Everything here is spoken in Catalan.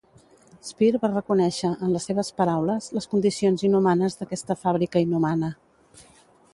Speer va reconèixer, en les seves paraules, les condicions inhumanes d'aquesta fàbrica inhumana.